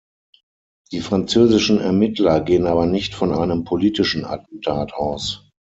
Die französischen Ermittler gehen aber nicht von einem politischen Attentat aus.